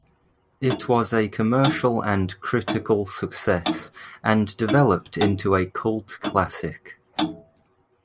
It was a commercial and critical success and developed into a cult classic.